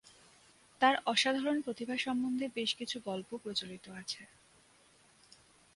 তার অসাধারণ প্রতিভা সম্বন্ধে বেশ কিছু গল্প প্রচলিত আছে।